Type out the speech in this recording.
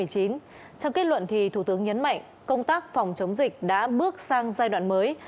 trong kết luận thủ tướng nhấn mạnh công tác phòng chống dịch đã bước sang giai đoạn mới